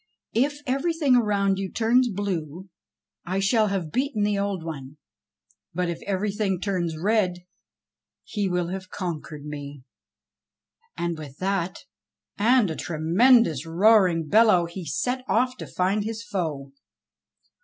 If every thing around you turns blue, I shall have beaten the Old One ; but if everything turns red he will have conquered me." And with that, and a tremendous roaring bellow, he set off to find his foe.